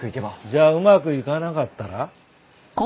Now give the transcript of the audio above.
じゃあうまくいかなかったら？